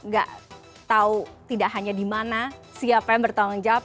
gak tahu tidak hanya di mana siapa yang bertanggung jawab